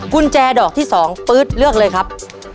กุญแจดอกที่๒ปื๊ดเลือกเลยครับ